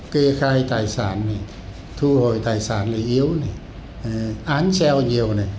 cây khai tài sản này thu hồi tài sản là yếu này án treo nhiều này